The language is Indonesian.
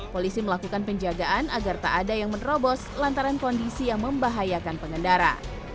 polisi melakukan penjagaan agar tak ada yang menerobos lantaran kondisi yang membahayakan pengendara